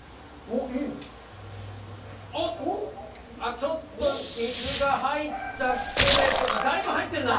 おっあっちょっと水が入ったけれどだいぶ入ってるな。